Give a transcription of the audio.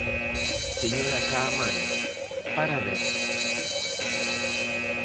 Señora Caamaño, parabéns.